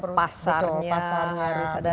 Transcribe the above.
betul pasarnya harus ada